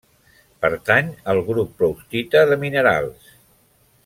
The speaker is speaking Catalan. Pertany al grup proustita de minerals.